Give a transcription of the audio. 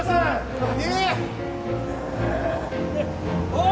おい。